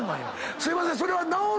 すいません。